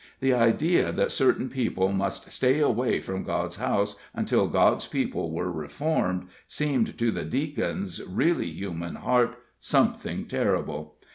The idea that certain people must stay away from God's house until God's people were reformed, seemed to the Deacon's really human heart something terrible.